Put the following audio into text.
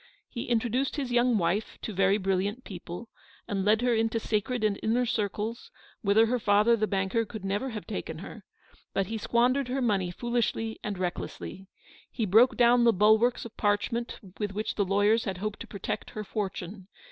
He introduced his young wife to very brilliant people, and led her into THE STORY OF THE PAST. sacred and inner circles, whither her father the banker could never have taken her ; but he squan dered her money foolishly and recklessly. He broke down the bulwarks of parchment with which the lawyers had hoped to protect her for tune.